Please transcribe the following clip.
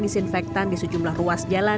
disinfektan di sejumlah ruas jalan